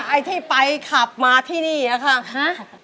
ไอ้ที่ไปขับมาที่นี่อะค่ะ